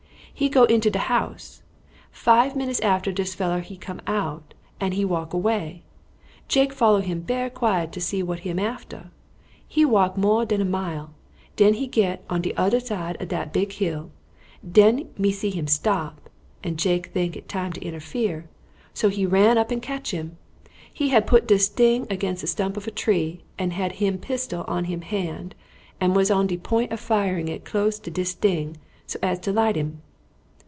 He go into de house; five minutes afterward dis feller he come out and he walk away. Jake follow him bery quiet to see what him after. He walk more dan a mile, den he get on to de oder side of dat big hill; den me see him stop, and Jake tink it time to interfere, so he ran up and catch him. He had put dis ting against a stump of a tree, and had him pistol in him hand, and was on de point of firing it close to dis ting, so as to light him."